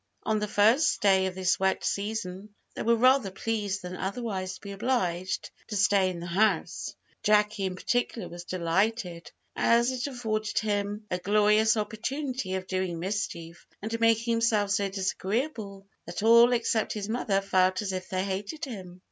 On the first day of this wet season, they were rather pleased than otherwise to be obliged to stay in the house. Jacky, in particular, was delighted, as it afforded him a glorious opportunity of doing mischief, and making himself so disagreeable, that all, except his mother, felt as if they hated him.